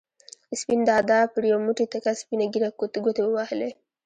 سپین دادا پر یو موټی تکه سپینه ږېره ګوتې ووهلې.